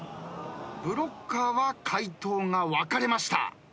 ブロッカーは解答が分かれました。